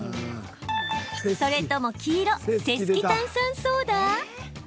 それとも黄色・セスキ炭酸ソーダ？